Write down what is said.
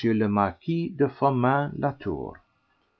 le Marquis de Firmin Latour."